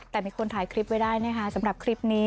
แต่มีคนถ่ายคลิปไว้ได้นะคะสำหรับคลิปนี้